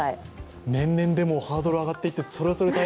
年々、でもハードルが上がっていって、それはそれで大変。